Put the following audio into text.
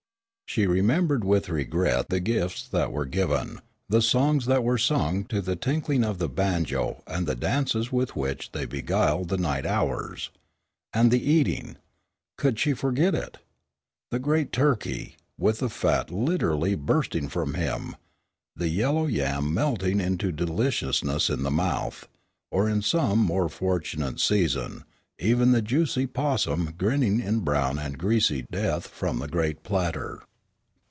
She remembered with regret the gifts that were given, the songs that were sung to the tinkling of the banjo and the dances with which they beguiled the night hours. And the eating! Could she forget it? The great turkey, with the fat literally bursting from him; the yellow yam melting into deliciousness in the mouth; or in some more fortunate season, even the juicy 'possum grinning in brown and greasy death from the great platter.